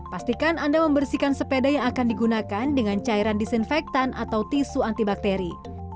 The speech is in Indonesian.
pastikan anda membersihkan sepeda yang akan digunakan dengan cairan disinfektan atau tisu antibakteri